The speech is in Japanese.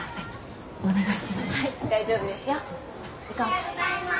おはようございます。